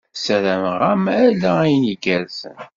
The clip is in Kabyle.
Ssarameɣ-am ala ayen igerrzen.